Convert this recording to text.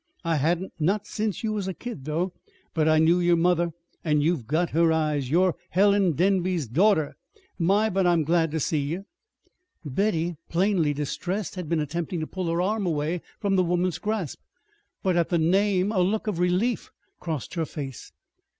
I hadn't not since you was a kid, though; but I knew yer mother, an' you've got her eyes. You're Helen Denby's daughter. My, but I'm glad ter see ye!" Betty, plainly distressed, had been attempting to pull her arm away from the woman's grasp; but at the name a look of relief crossed her face.